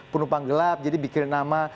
penumpang gelap jadi bikin nama